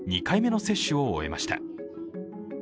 ２回目の接種を終えました。